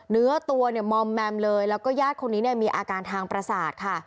เนื้อตัวเนี่ยมอมแมมเลยแล้วก็ญาติคนนี้เนี่ยมีอาการทางประสาทค่ะ